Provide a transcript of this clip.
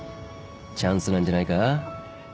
チャンスなんじゃないか？